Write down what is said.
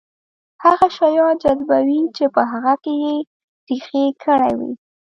هغه شيان جذبوي چې په هغه کې يې رېښې کړې وي.